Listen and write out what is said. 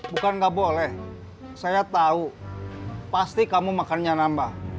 bukan nggak boleh saya tahu pasti kamu makannya nambah